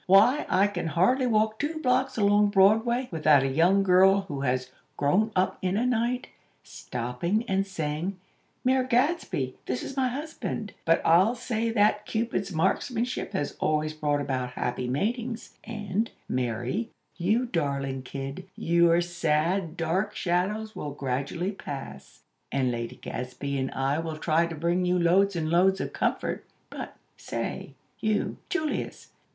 Why, I can hardly walk two blocks along Broadway, without a young girl, who has 'grown up in a night,' stopping, and saying: 'Mayor Gadsby, this is my husband.' But I'll say that Cupid's markmanship has always brought about happy matings. And, Mary, you darling kid, your sad, dark shadows will gradually pass; and Lady Gadsby and I will try to bring you loads and loads of comfort. But, say, you, Julius!